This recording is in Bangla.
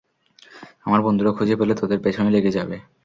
আমার বন্ধুরা খুঁজে পেলে তোদের পেছনে লেগে যাবে।